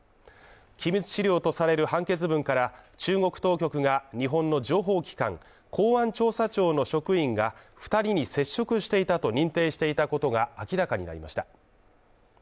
機密資料とされる判決文から中国当局が日本の情報機関、公安調査庁の職員が２人に接触していたと認定していたことが明らかになりました。